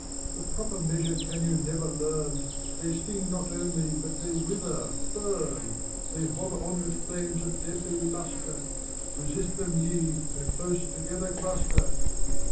The proper measure can you never learnt They sting not only, but they wither, bum ! They hover on with flames of deadly lustre : Resist them ye, and close together cluster!